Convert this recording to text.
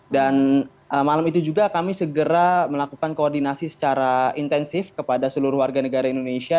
dan malam itu juga kami segera melakukan koordinasi secara intensif kepada seluruh warga negara indonesia